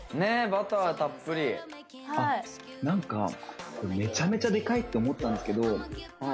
バターたっぷりあっなんかメチャメチャでかいって思ったんですけどえ